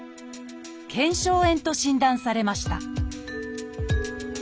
「腱鞘炎」と診断されました。